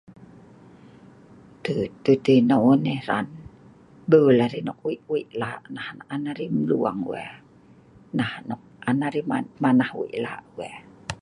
Tet ti tih, non ai hran, bul arai nok wei' wei' lah' nah nah an arai mlung wee, nah nah an arai manah wei' la wee.